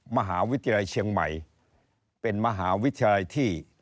มหาวิทยาลัยเชียงใหม่เป็นมหาวิทยาลัยที่